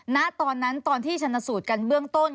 ณตอนนั้นตอนที่ชนสูตรกันเบื้องต้น